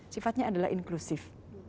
sifatnya adalah inklusif